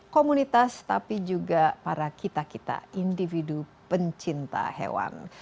komunitas tapi juga para kita kita individu pencinta hewan